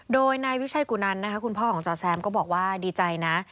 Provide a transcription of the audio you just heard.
โดยนายวิชัยกุนันนะคะคุณพ่อของจอแซมก็บอกว่าดีใจนะ